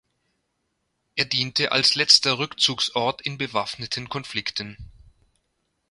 Er diente als letzter Rückzugsort in bewaffneten Konflikten.